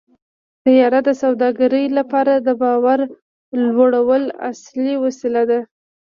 طیاره د سوداګرۍ لپاره د بار وړلو اصلي وسیله ده.